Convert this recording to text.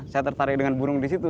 saya tertarik dengan burung di situ